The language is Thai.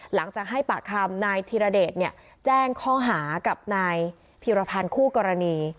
หลังจากให้ปากคำนายธิรเดชแจ้งข้อหากับนายพีรพันธ์คู่กรณี